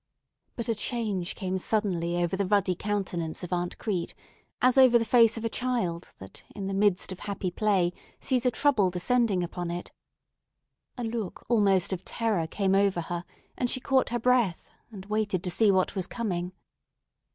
But a change came suddenly over the ruddy countenance of Aunt Crete as over the face of a child that in the midst of happy play sees a trouble descending upon it. A look almost of terror came over her, and she caught her breath, and waited to see what was coming.